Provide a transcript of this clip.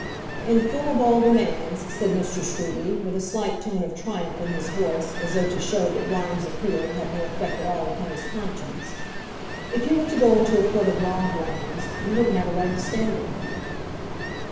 "In full of all demands," said Mr. Scruby, with a slight tone of triumph in his voice, as though to show that Grimes' appeal had no effect at all upon his conscience. "If you were to go into a court of law, Grimes, you wouldn't have a leg to stand upon."